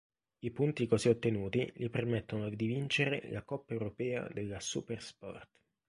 I punti così ottenuti gli permettono di vincere la coppa Europea della Supersport.